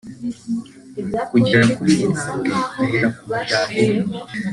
kugera kuri iyi ntabwe ahera ku muryango we